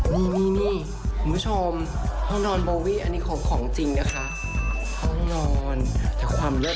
นี่นี่คุณผู้ชมห้องนอนโบวี่อันนี้ของของจริงนะคะห้องนอนแต่ความเลิศ